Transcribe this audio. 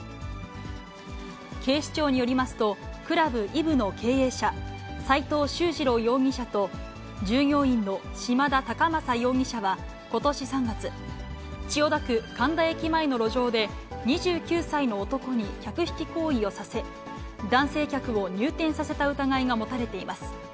警視庁によりますと、クラブＥＶＥの経営者、斉藤秀次郎容疑者と、従業員の島田隆正容疑者はことし３月、千代田区神田駅前の路上で、２９歳の男に客引き行為をさせ、男性客を入店させた疑いが持たれています。